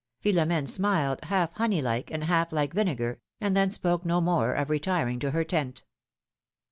Philomene smiled, half honey like, and half like vine gar, and then spoke no more of retiring to her tent.